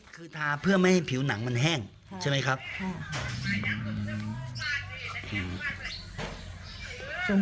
คือทาเพื่อไม่ให้ผิวหนังมันแห้งใช่ไหมครับ